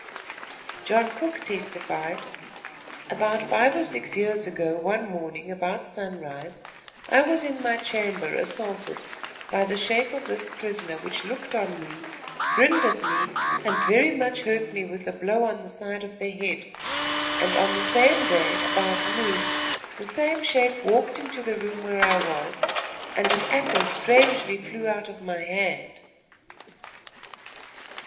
John Cook testified: "About five or six years ago, one morning, about sunrise, I was in my chamber assaulted by the shape of this prisoner, which looked on me, grinned at me, and very much hurt me with a blow on the side of the head, and on the same day, about noon, the same shape walked into the room where I was, and an apple strangely flew out of my hand."